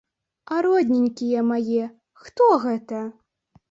А родненькія мае, хто гэта?